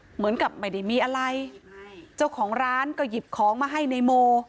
เหมือนกับไม่ได้มีอะไรเจ้าของร้านก็หยิบของมาให้ในโม